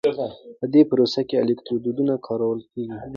په دې پروسه کې الکترودونه کارول کېږي.